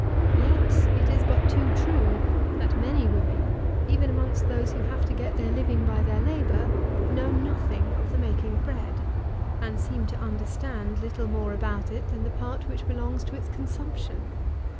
Yet, it is but too true, that many women, even amongst those who have to get their living by their labour, know nothing of the making of bread; and seem to understand little more about it than the part which belongs to its consumption.